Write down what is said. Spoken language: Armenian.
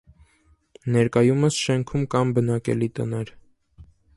Ներկայումս շենքում կան բնակելի տներ։